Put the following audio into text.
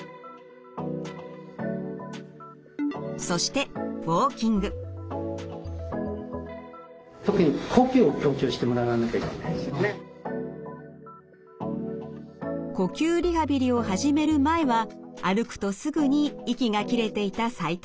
そして呼吸リハビリを始める前は歩くとすぐに息が切れていた齋藤さん。